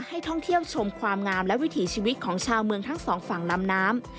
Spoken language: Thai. ท่องเที่ยวชมความงามและวิถีชีวิตของชาวเมืองทั้งสองฝั่งลำน้ำ